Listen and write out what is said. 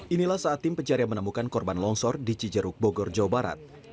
inilah saat tim pencarian menemukan korban longsor di cijeruk bogor jawa barat